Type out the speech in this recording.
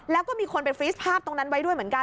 แล้วก็มีคนไปฟีสภาพตรงนั้นไว้ด้วยเหมือนกัน